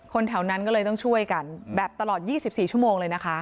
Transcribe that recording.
แถวนั้นก็เลยต้องช่วยกันแบบตลอด๒๔ชั่วโมงเลยนะคะ